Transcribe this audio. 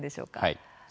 はい。